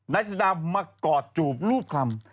นายสุดามากอดจูบรูปคำ